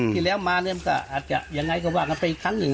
ที่แล้วมาเนี่ยมันก็อาจจะยังไงก็ว่ากันไปครั้งหนึ่ง